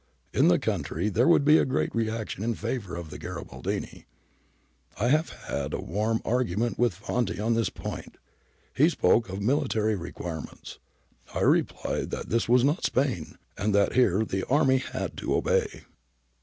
In the country there would be a great reaction in favour of the Garibaldini. I have had a warm argument with Fanti on this point. He spoke of military requirements. I replied that this was not Spain, and that here the army had to obey.'